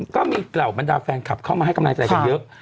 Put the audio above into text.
ก็มีเหล่าบรรดาแฟนคลับเข้ามาให้กำลังใจกันเยอะ